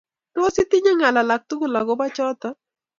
Tos, itinye ngaal alak tugul agobo choto?